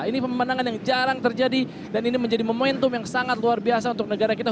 ini pemandangan yang jarang terjadi dan ini menjadi momentum yang sangat luar biasa untuk negara kita